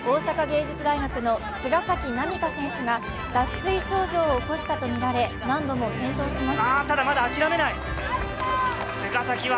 大阪芸術大学の菅崎南花選手が脱水症状を起こしたとみられ何度も転倒します。